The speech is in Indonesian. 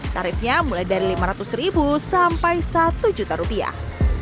tarifnya mulai dari lima ratus ribu sampai satu juta rupiah